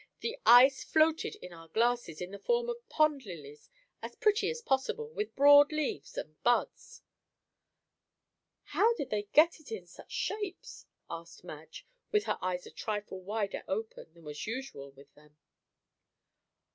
the ice floated in our glasses in the form of pond lilies; as pretty as possible, with broad leaves and buds." "How did they get it in such shapes?" asked Madge, with her eyes a trifle wider open than was usual with them.